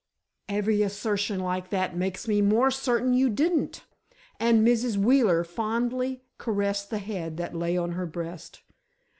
"Every assertion like that makes me more certain you didn't," and Mrs. Wheeler fondly caressed the head that lay on her breast.